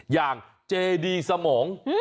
อย่างเจดีสมอง